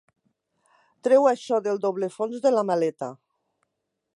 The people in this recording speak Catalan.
Treu això del doble fons de la maleta.